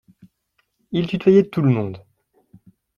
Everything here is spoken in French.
Il tutoyait tout le monde.